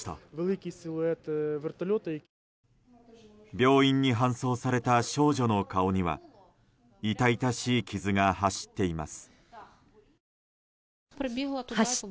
病院に搬送された少女の顔には痛々しい傷が走っています。